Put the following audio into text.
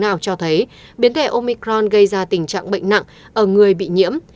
nào cho thấy biến thể omicron gây ra tình trạng bệnh nặng ở người bị nhiễm